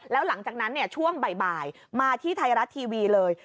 แล้วหลังจากนั้นช่วงบ่ายมาที่ไทยรัฐทีวีเลย